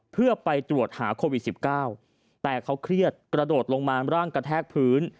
เพื่อไปตรวจหาโควิด๑๙แต่เขาเครียดกระโดดลงมาร่างกระแทกพื้น